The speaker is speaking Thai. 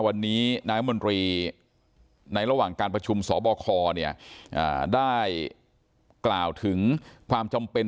วันนี้นายมนตรีในระหว่างการประชุมสบคได้กล่าวถึงความจำเป็น